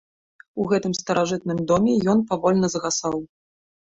У гэтым старажытным доме ён павольна згасаў.